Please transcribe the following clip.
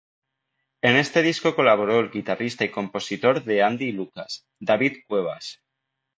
En este disco colaboró el guitarrista y compositor de Andy y Lucas, David Cuevas.